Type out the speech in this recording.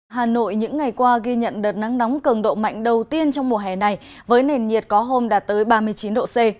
hà nội những ngày qua ghi nhận đợt nắng nóng cường độ mạnh đầu tiên trong mùa hè này với nền nhiệt có hôm đạt tới ba mươi chín độ c